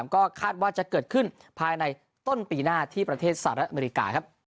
ก็คาดว่าจะเกิดขึ้นภายในต้นปีหน้าที่ประเทศสหรัฐอเมริกา